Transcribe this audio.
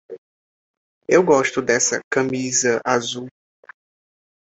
Eu gosto dessa camisa azul.